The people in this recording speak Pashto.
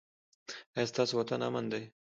ایا ستاسو وطن امن دی؟